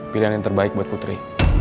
pilihan yang terbaik buat putri